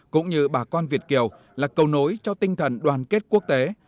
cũng như bà con việt kiều là cầu nối cho tinh thần đoàn kết quốc tế